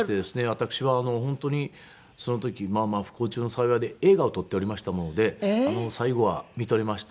私は本当にその時まあまあ不幸中の幸いで映画を撮っておりましたもので最後はみとれました。